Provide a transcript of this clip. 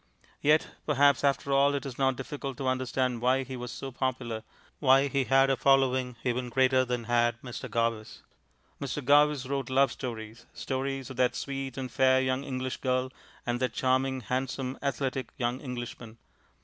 Yet perhaps, after all, it is not difficult to understand why he was so popular, why he had a following even greater than Mr. Garvice. Mr. Garvice wrote love stories, stories of that sweet and fair young English girl and that charming, handsome, athletic young Englishman.